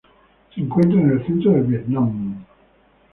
Se encuentra en el centro del Vietnam.